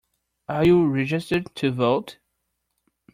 Are you registered to vote?